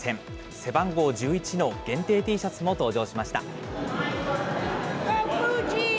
背番号１１の限定Ｔシャツも登場しました。